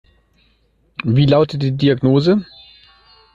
Wie lautet die Diagnose?